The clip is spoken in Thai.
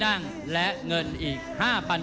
ท่านแรกครับจันทรุ่ม